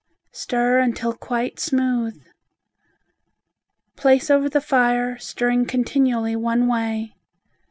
Stir until quite smooth. Place over the fire, stirring continually one way.